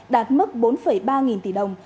đạt mức bốn ba nghìn tỷ đồng